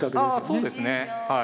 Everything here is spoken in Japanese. そうですねはい。